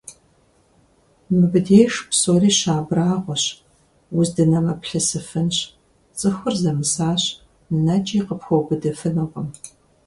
Мыбдеж псори щыабрагьуэщ, уздынэмыплъысыфынщ: цӀыхур зэмысащ, нэкӀи къыпхуэубыдыфынукъым.